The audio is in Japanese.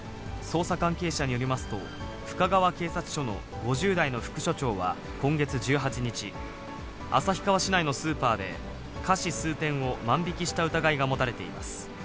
捜査関係者によりますと、深川警察署の５０代の副署長は今月１８日、旭川市内のスーパーで、菓子数点を万引きした疑いが持たれています。